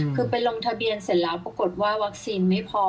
คือไปลงทะเบียนเสร็จแล้วปรากฏว่าวัคซีนไม่พอ